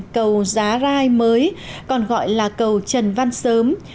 cầu giá rai mới còn gọi là cầu trần văn sớm